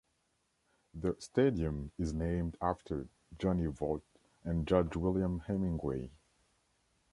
The stadium is named after Johnny Vaught and Judge William Hemingway.